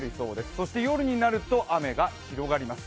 そして夜になると雨が広がります。